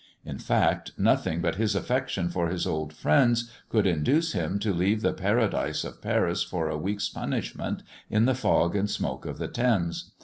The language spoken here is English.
In fact, nothing but his affection for his old friends could induce him to leave the paradise of Paris for a week's punishment in the fog and smoke of the Thames.